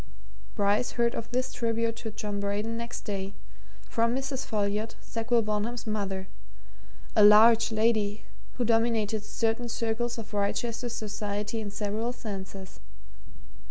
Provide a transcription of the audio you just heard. Bryce heard of this tribute to John Braden next day from Mrs. Folliot, Sackville Bonham's mother, a large lady who dominated certain circles of Wrychester society in several senses.